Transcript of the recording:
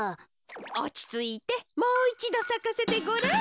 おちついてもういちどさかせてごらん。